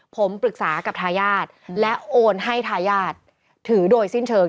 ผมปรึกษากับทายาทและโอนให้ทายาทถือโดยสิ้นเชิง